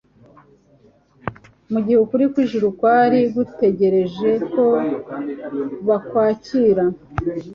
mu gihe ukuri kw'ijuru kwari gutegereje ko bakwakira.